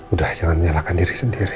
udah jangan menyalahkan diri sendiri